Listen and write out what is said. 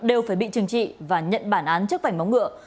đều phải bị trừng trị và nhận bản án trước vảnh móng ngựa